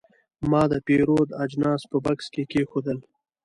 ما د پیرود اجناس په بکس کې کېښودل.